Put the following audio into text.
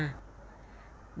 bãi biển hải hòa